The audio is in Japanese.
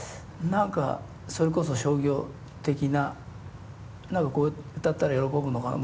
何かそれこそ商業的な何かこれ歌ったら喜ぶのかな。